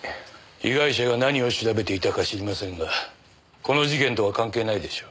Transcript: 被害者が何を調べていたか知りませんがこの事件とは関係ないでしょう。